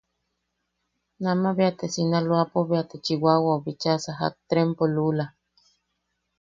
Nama bea Sinaloapo bea te. Chiwawau bicha sajak trempo lula.